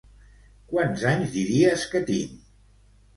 Quants anys diries que tinc?